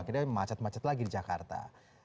karena macet macet lagi di jakarta